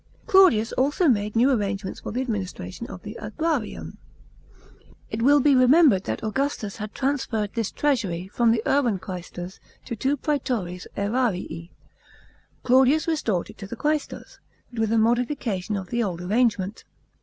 Claudius also made a new arrangement for the administration of the asrarium. It will be remembered that Augustus had transferred this treasury from the urban quaestors to two prsetores serarii. Claudius restored it to the quaestors, but with a modification of the old arrangement.